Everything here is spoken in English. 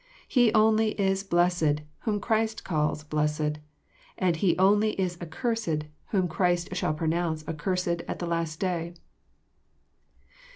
He only is blessed whom Christ calls blessed; and he only is accursed whom Christ shall pronounce accursed at the last day.